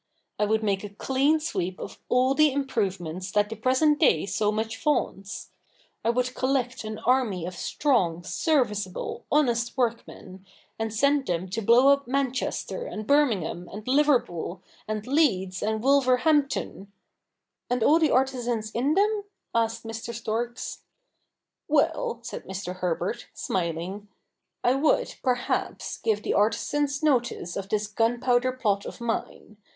I would make a clean sweep of all the improvements that the present day so much vaunts. I would collect an army of strong, serviceable, honest workmen, and send them to blow up Manchester, and Birmingham, and Liverpool, and Leeds, and Wolverhampton ' CH. I]] THE NEW REPUBLIC 97 ' And all the artisans in them ?' asked Mr. Storks. ' Well,' said Mr. Herbert, smiling, ' I would, perhaps give the artisans notice of this gunpowder plot of mine.